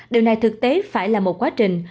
điều này thực tế phải là một quá trình